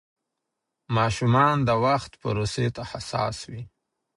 ماشومان د وخت پروسې ته حساس وي.